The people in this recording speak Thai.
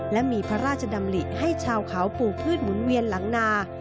และมีพระราชดำริให้ชาวเขาปลูกพืชหมุนเวียนหลังนา